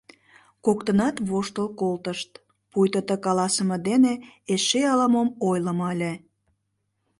Коктынат воштыл колтышт, пуйто ты каласыме дене эше ала-мом ойлымо ыле.